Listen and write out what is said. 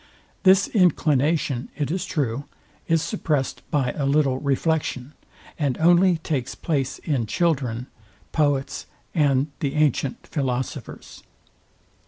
This inclination, it is true, is suppressed by a little reflection, and only takes place in children, poets, and the antient philosophers.